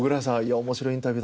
面白いインタビューだったな。